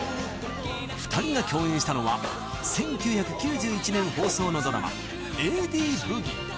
２人が共演したのは１９９１年放送のドラマ「ＡＤブギ」